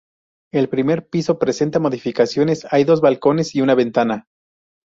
El primer piso presenta modificaciones, hay dos balcones y una ventana.